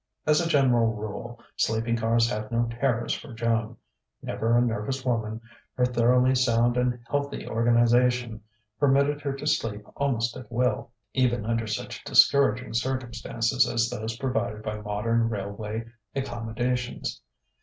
As a general rule, sleeping cars had no terrors for Joan; never a nervous woman, her thoroughly sound and healthy organization permitted her to sleep almost at will, even under such discouraging circumstances as those provided by modern railway accommodations.